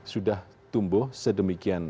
sudah tumbuh sedemikian